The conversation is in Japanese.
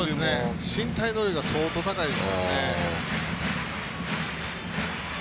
身体能力が相当高いですからね。